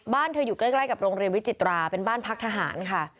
บ้านเธออยู่ใกล้กับโรงเรียนวิจิตราเป็นบ้านพักทหารค่ะ